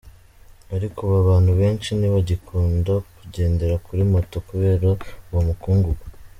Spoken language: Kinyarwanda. Ariko ubu abantu benshi ntibagikunda kugendera kuri moto kubera uwo mukungungu.